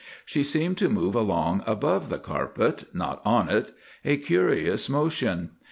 She seemed to move along above the carpet—not on it—a curious motion.